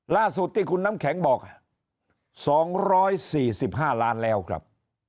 ล่าสุดที่คุณน้ำแข็งบอก๒๔๕ล้านแล้วครับ